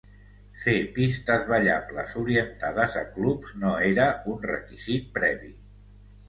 Fer pistes "ballables" orientades a clubs no era un requisit previ.